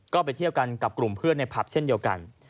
ก็ไปเที่ยวกันกับกลุ่มเพื่อนในผับเช่นเดียวกัน